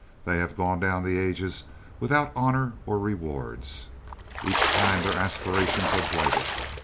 They have gone down the ages without honor or rewards. Each time their aspirations are blighted.